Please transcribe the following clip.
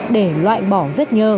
để loại bỏ vết nhơ